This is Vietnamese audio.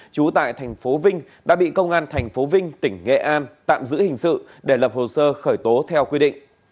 trú tại thành phố vinh đã bị công an tp vinh tỉnh nghệ an tạm giữ hình sự để lập hồ sơ khởi tố theo quy định